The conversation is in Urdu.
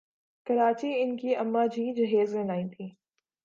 کراچی ان کی اماں جی جہیز میں لائیں تھیں ۔